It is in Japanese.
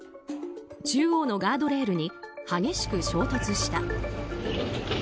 中央のガードレールに激しく衝突した。